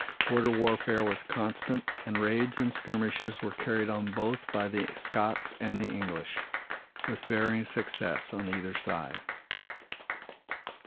Border warfare was constant and raids and skirmishes were carried on both by the Scots and the English, with varying success on either side.